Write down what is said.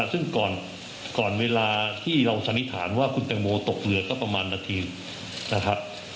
ซึ่งก่อนเวลาที่เราสันนิษฐานว่าคุณแตงโมตกเรือก็ประมาณนาทีนะครับ